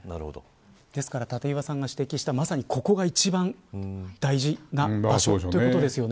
ですから、立岩さんが指摘したまさに、ここが一番大事な場所ということですよね。